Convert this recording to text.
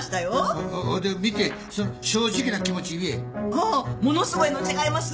ああものすごいの違います？